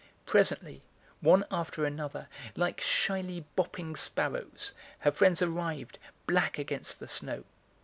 Presently, one after another, like shyly hopping sparrows, her friends arrived, black against the snow.